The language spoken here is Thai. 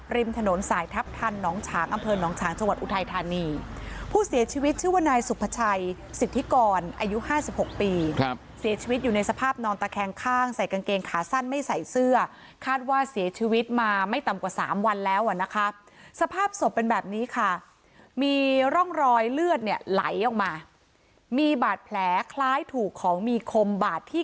ริมถนนสายทัพทันน้องฉางอำเภอหนองฉางจังหวัดอุทัยธานีผู้เสียชีวิตชื่อว่านายสุภาชัยสิทธิกรอายุห้าสิบหกปีครับเสียชีวิตอยู่ในสภาพนอนตะแคงข้างใส่กางเกงขาสั้นไม่ใส่เสื้อคาดว่าเสียชีวิตมาไม่ต่ำกว่าสามวันแล้วอ่ะนะคะสภาพศพเป็นแบบนี้ค่ะมีร่องรอยเลือดเนี่ยไหลออกมามีบาดแผลคล้ายถูกของมีคมบาดที่